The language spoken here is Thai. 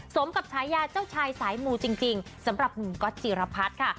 สมกับฉายาเจ้าชายสายมูจริงสำหรับหนุ่มก๊อตจิรพัฒน์ค่ะ